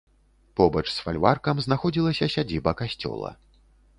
Побач з фальваркам знаходзілася сядзіба касцёла.